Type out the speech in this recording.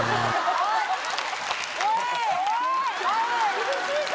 厳しいぞ！